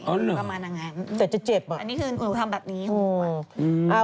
อ๋อเหรอเหมือนประมาณนั้นอันนี้คือหนูทำแบบนี้หรือเปล่า